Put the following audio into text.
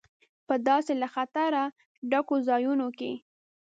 په داسې له خطره ډکو ځایونو کې.